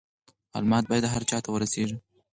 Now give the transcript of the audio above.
معلومات باید هر چا ته ورسیږي.